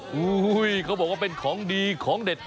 โอ้โหเขาบอกว่าเป็นของดีของเด็ด